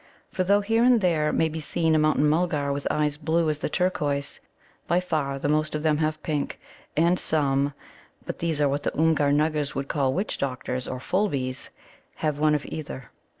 For, though here and there may be seen a Mountain mulgar with eyes blue as the turquoise, by far the most of them have pink, and some (but these are what the Oomgar nuggas would call Witch doctors, or Fulbies) have one of either.